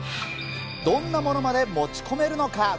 どんなものまで持ち込めるのか。